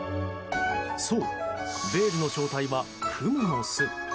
そう、ベールの正体はクモの巣。